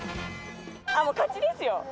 あ、もう勝ちですよ。